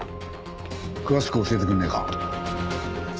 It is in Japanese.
詳しく教えてくんねえか？